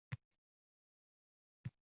jala quyyapti